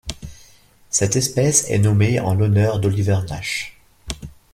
Cette espèce est nommée en l'honneur d'Oliver Nash.